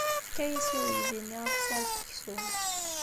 Tefka-as i uydi-nni aftar n uksum.